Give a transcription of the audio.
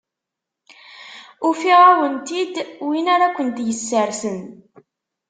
Ufiɣ-awent-id win ara kent-yessersen.